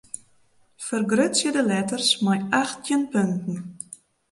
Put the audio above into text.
Fergrutsje de letters mei achttjin punten.